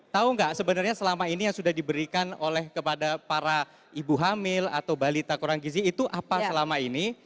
tahu nggak sebenarnya selama ini yang sudah diberikan oleh kepada para ibu hamil atau balita kurang gizi itu apa selama ini